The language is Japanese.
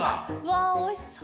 わぁおいしそう。